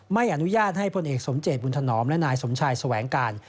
ไม่อนุญาตให้พลเอกสมเจตบุญถนอมและนายสมชายแสวงการ